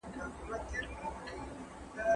د ټولني پرمختګ د هر وګړي په ويښتيا پوري تړلی دی.